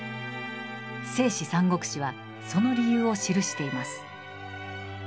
「正史三国志」はその理由を記しています。